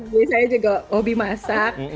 jadi saya juga hobi masak